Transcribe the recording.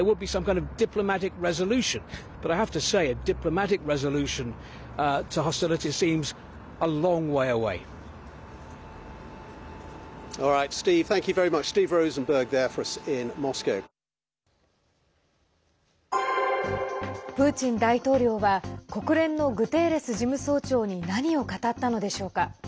プーチン大統領は国連のグテーレス事務総長に何を語ったのでしょうか。